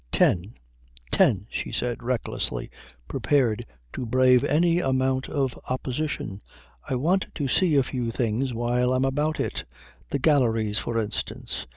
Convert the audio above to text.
"Ten, ten," she said recklessly, prepared to brave any amount of opposition. "I want to see a few things while I'm about it the galleries, for instance.